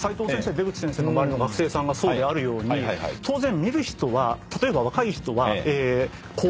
出口先生の周りの学生さんがそうであるように当然見る人は例えば若い人は。